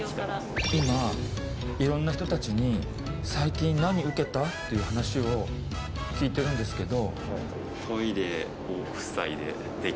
今、いろんな人たちに最近何ウケたという話を聞いてるんですけど。